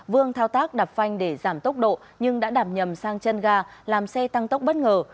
vương thao tác đập phanh để giảm tốc độ nhưng đã đạp nhầm sang chân ga làm xe tăng tốc bất ngờ